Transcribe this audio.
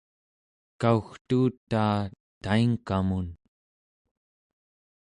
kaugtuutaa taingkamun